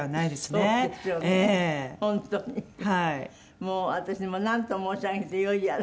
もう私もなんと申し上げてよいやら。